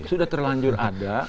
sudah terlanjur ada